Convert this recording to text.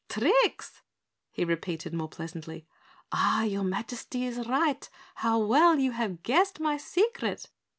"Tricks!" he repeated more pleasantly. "Ah, your Majesty is right. How well you have guessed my secret."